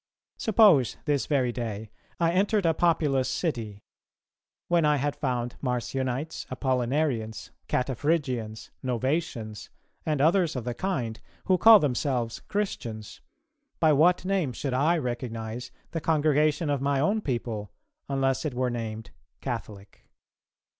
Suppose this very day I entered a populous city. When I had found Marcionites, Apollinarians, Cataphrygians, Novatians, and others of the kind, who call themselves Christians, by what name should I recognize the congregation of my own people, unless it were named Catholic?